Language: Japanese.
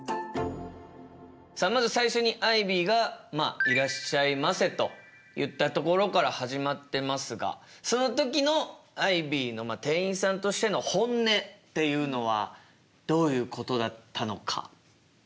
さあまず最初にアイビーが「いらっしゃいませ」と言ったところから始まってますがその時のアイビーの店員さんとしての本音っていうのはどういうことだったのか？